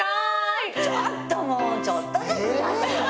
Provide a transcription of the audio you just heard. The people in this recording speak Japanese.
ちょっともうちょっとずつ。